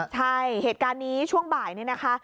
ใช่เหตุการณ์นี้ช่วงบ่ายนี่นะคะ